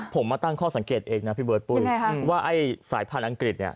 ผมมาตั้งข้อสังเกตเองนะพี่เบิร์ดปุ้ยว่าไอ้สายพันธุ์อังกฤษเนี่ย